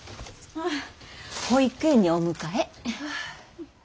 保育園にお迎え。